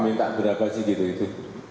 minta berapa sih gitu itu